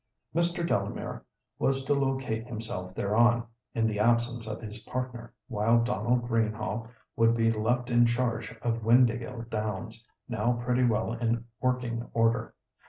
Mr. Delamere was to locate himself thereon, in the absence of his partner, while Donald Greenhaugh would be left in charge of Windāhgil Downs, now pretty well in working order.